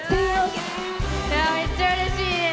めっちゃうれしいです。